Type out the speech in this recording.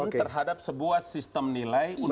terhadap sebuah sistem nilai